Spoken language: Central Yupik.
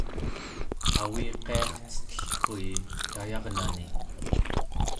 aviqiarcetellrui tayarneni